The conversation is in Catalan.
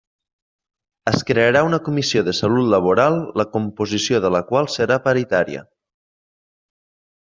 Es crearà una comissió de salut laboral la composició de la qual serà paritària.